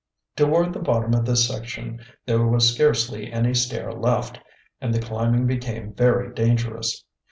Toward the bottom of this section there was scarcely any stair left, and the climbing became very dangerous.